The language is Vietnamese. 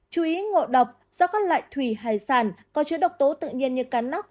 chú ý ngồi độc do các loại thủy hải sản có chữ độc tố tự nhiên như cá nóc